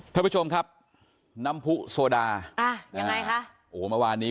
ท่านผู้ชมครับน้ำผู้โซดาอ่ายังไงคะโอ้โหเมื่อวานนี้